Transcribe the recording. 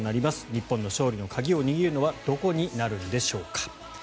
日本の勝利の鍵を握るのはどこになるのでしょうか。